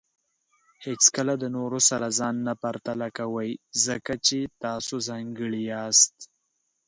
هیڅکله د نورو سره ځان نه پرتله کوئ، ځکه چې تاسو ځانګړي یاست.